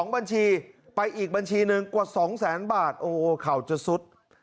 ๒บัญชีไปอีกบัญชีนึงกว่า๒๐๐๐๐๐บาทโอ้โหเขาจะซุด